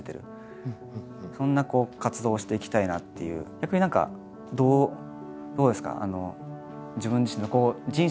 逆に何かどうですか？